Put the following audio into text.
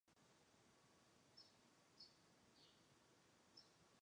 这项发现是分析由行星环绕时拉扯恒星的引力造成的径向速度变化得到的。